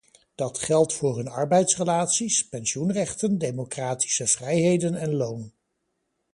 Dat geldt voor hun arbeidsrelaties, pensioenrechten, democratische vrijheden en loon.